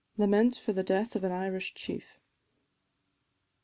LAMENT FOR THE DEATH OF AN IRISH CHIEF.